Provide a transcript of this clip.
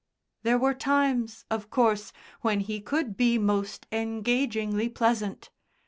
There were times, of course, when he could be most engagingly pleasant.